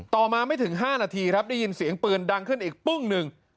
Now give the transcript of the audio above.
ต่อมาไม่ถึง๕นาทีครับได้ยินเสียงปืนดังขึ้นอีกปึ้งหนึ่ง